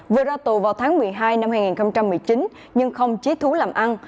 vừa ra tù vào tháng một mươi hai năm hai nghìn một mươi chín nhưng không chí thú làm ăn